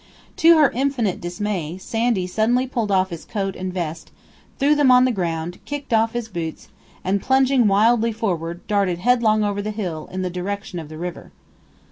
To her infinite dismay, Sandy suddenly pulled off his coat and vest, threw them on the ground, kicked off his boots, and, plunging wildly forward, darted headlong over the hill, in the direction of the river.